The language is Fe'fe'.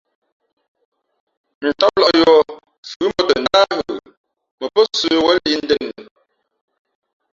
Tám lᾱʼ yōh, fʉ mbᾱ tα ndáh ghə, mα pά sə̌wēn lǐʼ ndēn nu.